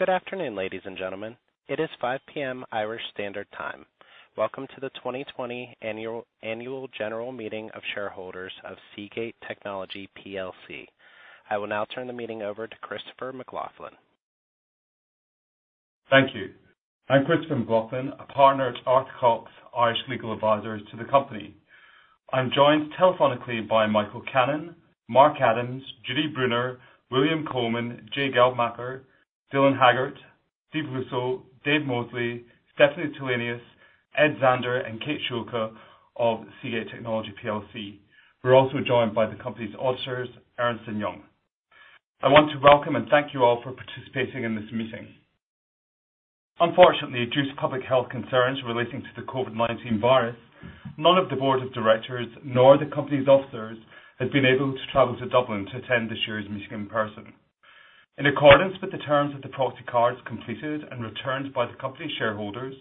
Good afternoon, ladies and gentlemen. It is 5:00 PM Irish Standard Time. Welcome to the 2020 Annual General Meeting of Shareholders of Seagate Technology plc. I will now turn the meeting over to Christopher McLaughlin Thank you. I'm Chris McLaughlin, a partner at Arthur Cox, Irish legal advisors to the company. I'm joined telephonically by Michael Cannon, Mark Adams, Judy Bruner, William Coleman, Jay Geldmacher, Dylan Haggart, Stephen Luczo, Dave Mosley, Stephanie Tilenius, Ed Zander, and Kate Schuelke of Seagate Technology plc. We're also joined by the company's auditors, Ernst & Young. I want to welcome and thank you all for participating in this meeting. Unfortunately, due to public health concerns relating to the COVID-19 virus, none of the board of directors nor the company's officers have been able to travel to Dublin to attend the shareholders' meeting in person. In accordance with the terms of the proxy cards completed and returned by the company shareholders,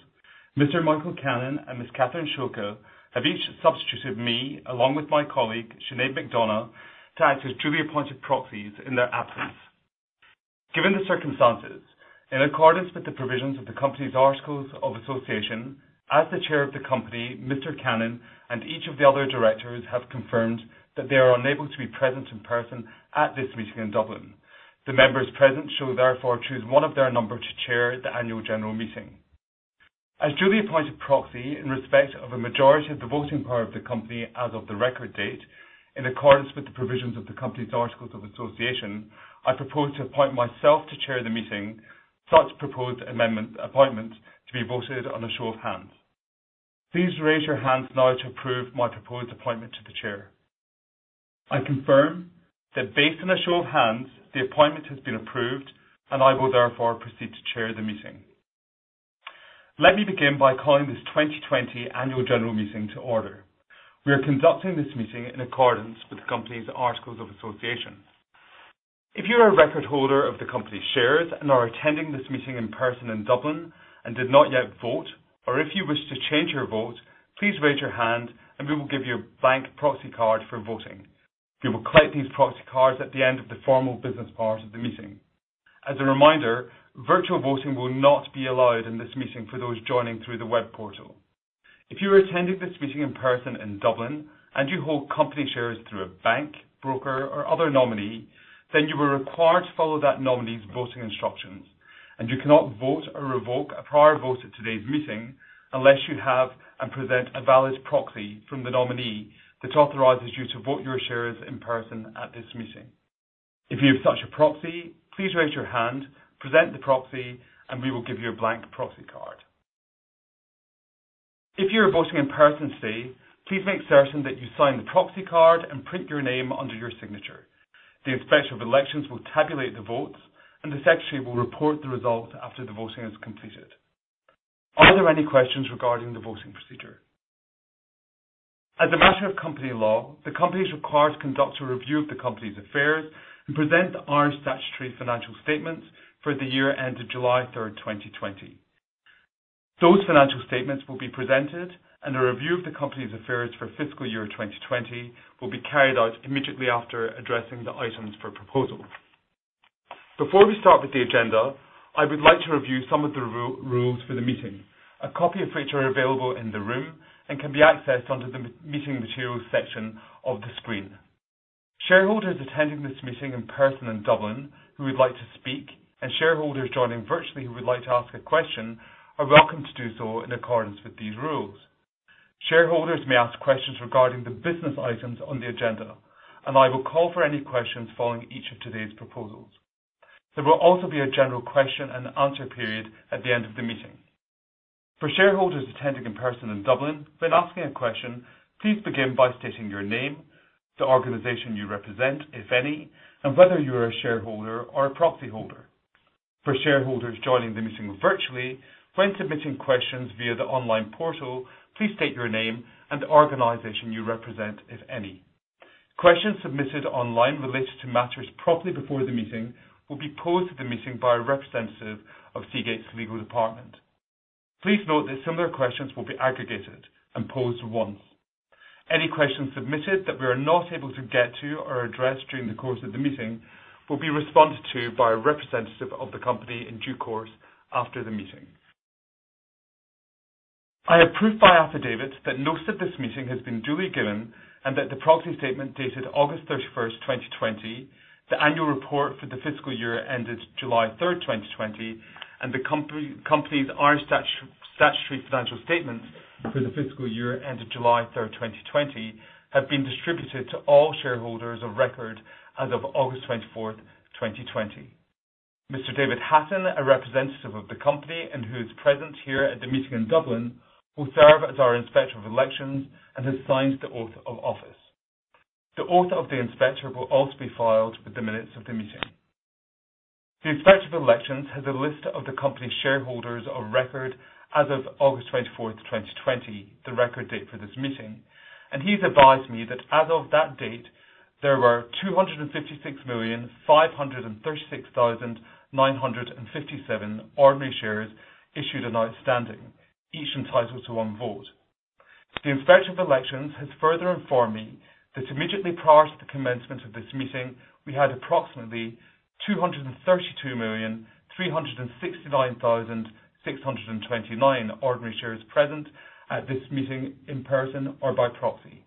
Mr. Michael Cannon and Ms. Katherine Schuelke have each substituted me, along with my colleague, Sinead McDonagh, to act as duly appointed proxies in their absence. Given the circumstances, in accordance with the provisions of the company's articles of association, as the Chair of the company, Mr. Cannon, and each of the other directors have confirmed that they are unable to be present in person at this meeting in Dublin. The members present shall therefore choose one of their number to chair the annual general meeting. As duly appointed proxy in respect of a majority of the voting power of the company as of the record date, in accordance with the provisions of the company's articles of association, I propose to appoint myself to chair the meeting, such proposed appointment to be voted on a show of hands. Please raise your hands now to approve my proposed appointment to the chair. I confirm that based on a show of hands, the appointment has been approved, and I will therefore proceed to chair the meeting. Let me begin by calling this 2020 annual general meeting to order. We are conducting this meeting in accordance with the company's articles of association. If you are a record holder of the company shares and are attending this meeting in person in Dublin and did not yet vote, or if you wish to change your vote, please raise your hand, and we will give you a blank proxy card for voting. We will collect these proxy cards at the end of the formal business part of the meeting. As a reminder, virtual voting will not be allowed in this meeting for those joining through the web portal. If you are attending this meeting in person in Dublin and you hold company shares through a bank, broker, or other nominee, then you are required to follow that nominee's voting instructions, and you cannot vote or revoke a prior vote at today's meeting unless you have and present a valid proxy from the nominee that authorizes you to vote your shares in person at this meeting. If you have such a proxy, please raise your hand, present the proxy, and we will give you a blank proxy card. If you are voting in person today, please make certain that you sign the proxy card and print your name under your signature. The Inspector of Elections will tabulate the votes, and the secretary will report the result after the voting is completed. Are there any questions regarding the voting procedure? As a matter of company law, the company is required to conduct a review of the company's affairs and present our statutory financial statements for the year ended July 3rd, 2020. Those financial statements will be presented and a review of the company's affairs for fiscal year 2020 will be carried out immediately after addressing the items for proposal. Before we start with the agenda, I would like to review some of the rules for the meeting. A copy of which are available in the room and can be accessed under the meeting materials section of the screen. Shareholders attending this meeting in person in Dublin who would like to speak, and shareholders joining virtually who would like to ask a question are welcome to do so in accordance with these rules. Shareholders may ask questions regarding the business items on the agenda, and I will call for any questions following each of today's proposals. There will also be a general question and answer period at the end of the meeting. For shareholders attending in person in Dublin, when asking a question, please begin by stating your name, the organization you represent, if any, and whether you are a shareholder or a proxy holder. For shareholders joining the meeting virtually, when submitting questions via the online portal, please state your name and the organization you represent, if any. Questions submitted online related to matters properly before the meeting will be posed to the meeting by a representative of Seagate's legal department. Please note that similar questions will be aggregated and posed once. Any questions submitted that we are not able to get to or address during the course of the meeting will be responded to by a representative of the company in due course after the meeting. I approve by affidavit that notice of this meeting has been duly given and that the proxy statement dated August 31st, 2020, the annual report for the fiscal year ended July 3rd, 2020, and the company's statutory financial statements for the fiscal year ended July 3rd, 2020, have been distributed to all shareholders of record as of August 24th, 2020. Mr. David Hatton, a representative of the company and who is present here at the meeting in Dublin, will serve as our Inspector of Elections and has signed the oath of office. The oath of the inspector will also be filed with the minutes of the meeting. The Inspector of Elections has a list of the company shareholders of record as of August 24th, 2020, the record date for this meeting, and he's advised me that as of that date, there were 256,536,957 ordinary shares issued and outstanding, each entitled to one vote. The Inspector of Elections has further informed me that immediately prior to the commencement of this meeting, we had approximately 232,369,629 ordinary shares present at this meeting in person or by proxy.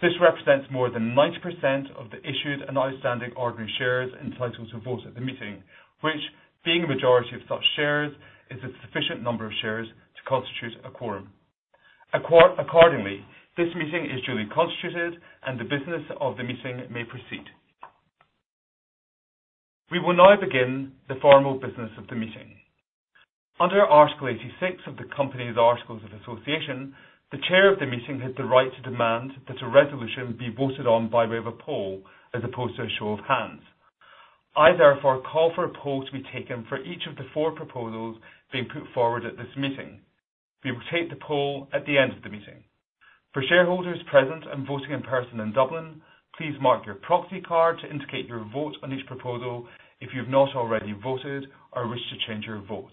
This represents more than 90% of the issued and outstanding ordinary shares entitled to vote at the meeting, which, being a majority of such shares, is a sufficient number of shares to constitute a quorum. Accordingly, this meeting is duly constituted, and the business of the meeting may proceed. We will now begin the formal business of the meeting Under Article 86 of the company's articles of association, the chair of the meeting has the right to demand that a resolution be voted on by way of a poll as opposed to a show of hands. I, therefore, call for a poll to be taken for each of the four proposals being put forward at this meeting. We will take the poll at the end of the meeting. For shareholders present and voting in person in Dublin, please mark your proxy card to indicate your vote on each proposal if you've not already voted or wish to change your vote.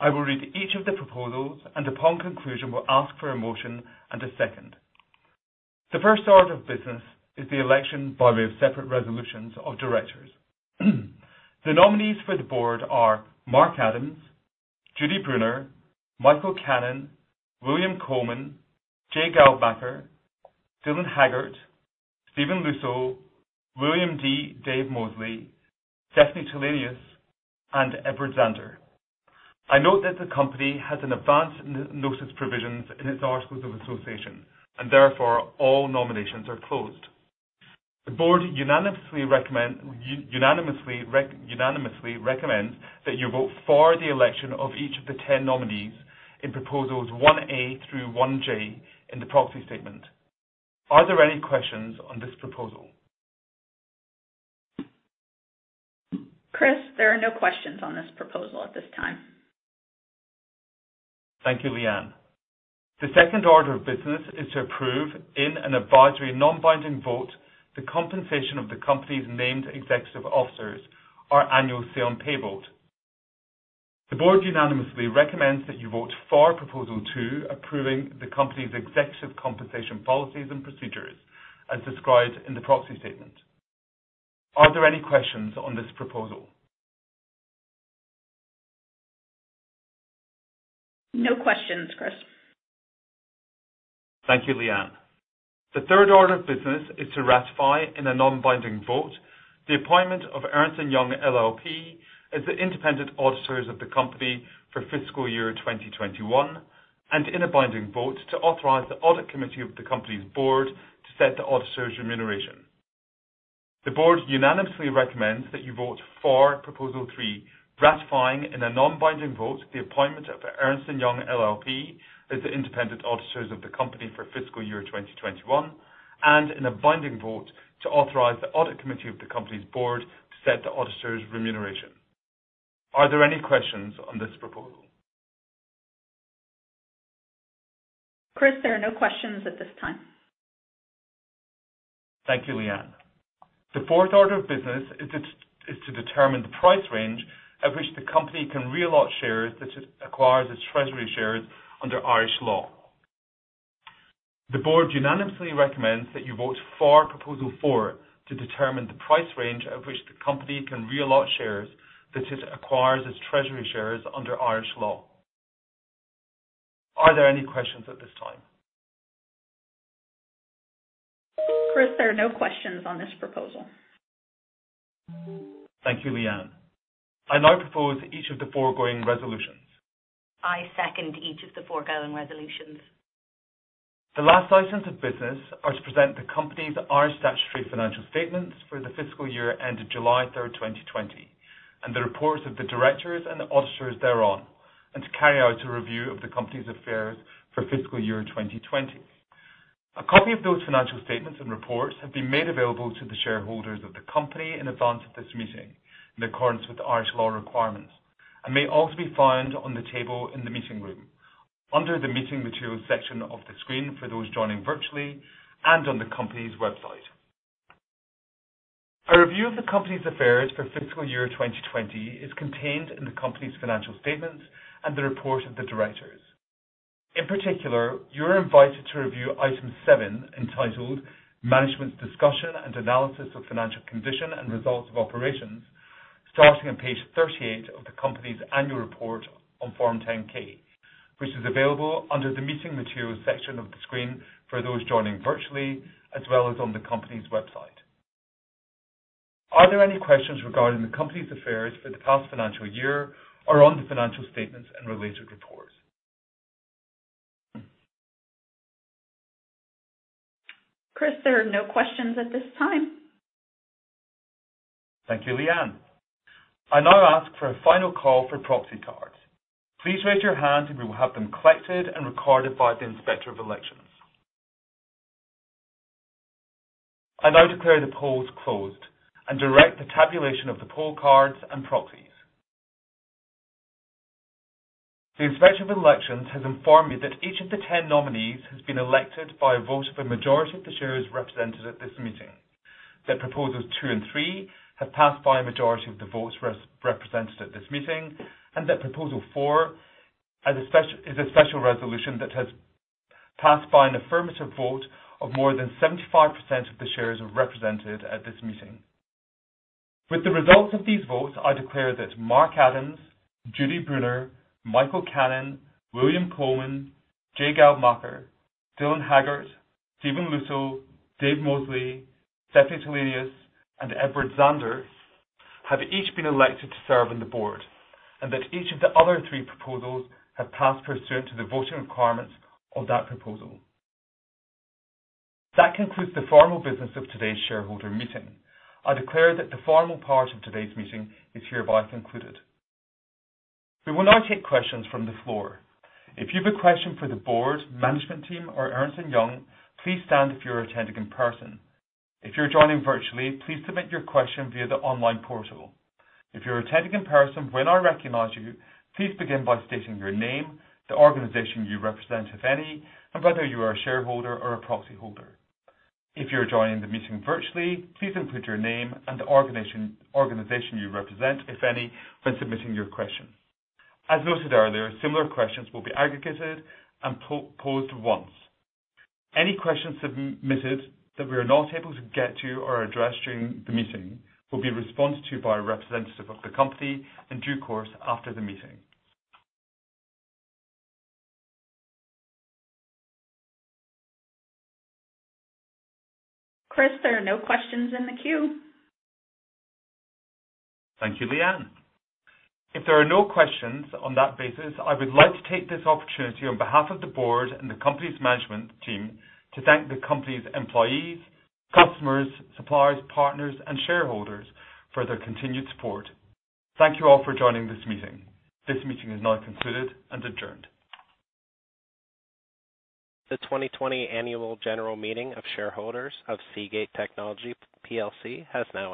I will read each of the proposals, and upon conclusion, will ask for a motion and a second. The first order of business is the election by way of separate resolutions of directors. The nominees for the board are Mark Adams, Judy Bruner, Michael Cannon, William Coleman, Jay Geldmacher, Dylan Haggart, Stephen Luczo, William D. Dave Mosley, Stephanie Tilenius, and Edward Zander. I note that the company has an advanced notice provisions in its articles of association, therefore, all nominations are closed. The board unanimously recommends that you vote for the election of each of the 10 nominees in Proposals 1A through 1J in the proxy statement. Are there any questions on this proposal? Chris, there are no questions on this proposal at this time. Thank you, Leanne. The second order of business is to approve in an advisory non-binding vote the compensation of the company's named executive officers, our annual say on pay vote. The board unanimously recommends that you vote for Proposal two, approving the company's executive compensation policies and procedures as described in the proxy statement. Are there any questions on this proposal? No questions, Chris. Thank you, Leanne. The third order of business is to ratify in a non-binding vote the appointment of Ernst & Young LLP as the independent auditors of the company for fiscal year 2021, and in a binding vote, to authorize the audit committee of the company's board to set the auditors' remuneration. The board unanimously recommends that you vote for Proposal three, ratifying in a non-binding vote the appointment of Ernst & Young LLP as the independent auditors of the company for fiscal year 2021, and in a binding vote to authorize the audit committee of the company's board to set the auditors' remuneration. Are there any questions on this proposal? Chris, there are no questions at this time. Thank you, Leanne. The fourth order of business is to determine the price range at which the company can reallocate shares that it acquires as treasury shares under Irish law. The board unanimously recommends that you vote for Proposal 4 to determine the price range at which the company can reallocate shares that it acquires as treasury shares under Irish law. Are there any questions at this time? Chris, there are no questions on this proposal. Thank you, Leanne. I now propose each of the foregoing resolutions. I second each of the foregoing resolutions. The last items of business are to present the company's Irish statutory financial statements for the fiscal year end of July 3rd, 2020, and the reports of the directors and the auditors thereon, and to carry out a review of the company's affairs for fiscal year 2020. A copy of those financial statements and reports have been made available to the shareholders of the company in advance of this meeting in accordance with Irish law requirements, and may also be found on the table in the meeting room, under the meeting materials section of the screen for those joining virtually, and on the company's website. A review of the company's affairs for fiscal year 2020 is contained in the company's financial statements and the report of the directors. In particular, you're invited to review Item seven, entitled Management's Discussion and Analysis of Financial Condition and Results of Operations, starting on page 38 of the company's annual report on Form 10-K, which is available under the meeting materials section of the screen for those joining virtually, as well as on the company's website. Are there any questions regarding the company's affairs for the past financial year or on the financial statements and related reports? Chris, there are no questions at this time. Thank you, Leanne. I now ask for a final call for proxy cards. Please raise your hand and we will have them collected and recorded by the Inspector of Elections. I now declare the polls closed and direct the tabulation of the poll cards and proxies. The Inspector of Elections has informed me that each of the 10 nominees has been elected by a vote of a majority of the shares represented at this meeting, that proposals two and three have passed by a majority of the votes represented at this meeting, and that proposal four is a special resolution that has passed by an affirmative vote of more than 75% of the shares represented at this meeting. With the results of these votes, I declare that Mark Adams, Judy Bruner, Michael Cannon, William Coleman, J. Jay Geldmacher, Dylan Haggart, Stephen Luczo, Dave Mosley, Stephanie Tilenius, and Edward Zander have each been elected to serve on the board, and that each of the other three proposals have passed pursuant to the voting requirements of that proposal. That concludes the formal business of today's shareholder meeting. I declare that the formal part of today's meeting is hereby concluded. We will now take questions from the floor. If you have a question for the board, management team, or Ernst & Young, please stand if you're attending in person. If you're joining virtually, please submit your question via the online portal. If you're attending in person, when I recognize you, please begin by stating your name, the organization you represent, if any, and whether you are a shareholder or a proxy holder. If you're joining the meeting virtually, please include your name and the organization you represent, if any, when submitting your question. As noted earlier, similar questions will be aggregated and posed once. Any questions submitted that we are not able to get to or address during the meeting will be responded to by a representative of the company in due course after the meeting. Chris, there are no questions in the queue. Thank you, Leanne. If there are no questions on that basis, I would like to take this opportunity on behalf of the board and the company's management team to thank the company's employees, customers, suppliers, partners, and shareholders for their continued support. Thank you all for joining this meeting. This meeting is now concluded and adjourned. The 2020 Annual General Meeting of Shareholders of Seagate Technology plc has now adjourned.